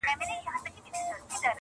o لوړ ځاى نه و، کښته زه نه کښېنستم!